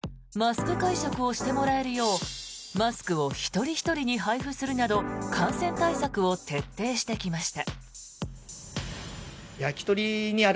政府の要請に従いマスク会食をしてもらえるようマスクを一人ひとりに配布するなど感染対策を徹底してきました。